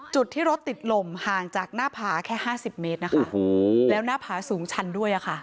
จุดที่รถติดลมห่างจากหน้าผาแค่ห้าสิบเมตรนะคะแล้วหน้าผาสูงชันด้วยอ่ะค่ะ